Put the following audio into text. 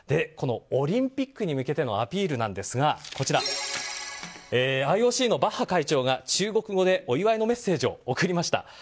オリンピックに向けてのアピールなんですがＩＯＣのバッハ会長が中国語でお祝いのメッセージを送りました。